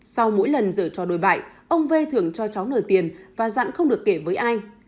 sau mỗi lần dở trò đối bại ông v thường cho cháu nở tiền và dặn không được kể với ai